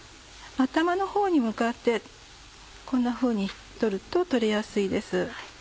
頭のほうに向かってこんなふうに取ると取れやすいです。